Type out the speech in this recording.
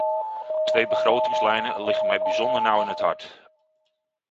Twee begrotingslijnen liggen mij bijzonder nauw aan het hart.